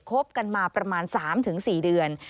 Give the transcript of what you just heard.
คบกันมาประมาณ๓๔เดือน